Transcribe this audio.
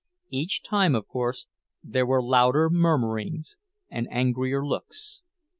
Each time, of course, there were louder murmurings and angrier looks.